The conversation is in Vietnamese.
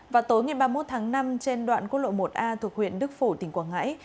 vào tối ngày ba mươi một tháng năm trên đoạn quốc lộ một a thuộc huyện đức phổ tỉnh quảng ngãi